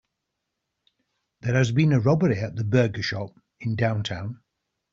There has been a robbery at the burger shop in downtown.